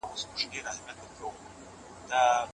جواهرات ډیر قیمت لري.